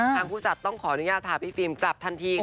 ผู้จัดต้องขออนุญาตพาพี่ฟิล์มกลับทันที